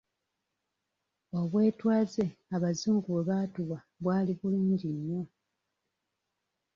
Obwetwaze abazungu bwe baatuwa bwali bulungi nnyo.